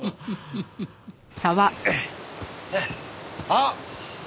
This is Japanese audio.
あっ！